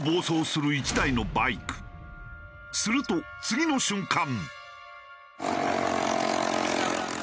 すると次の瞬間！